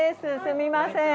すみません。